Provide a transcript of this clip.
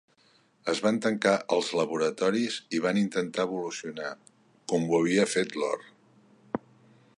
Es van tancar als laboratoris i van intentar evolucionar, com ho havia fet l'or.